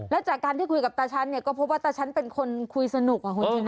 แล้วจากการที่คุยกับตาฉันเนี่ยก็พบว่าตาฉันเป็นคนคุยสนุกอ่ะคุณชนะ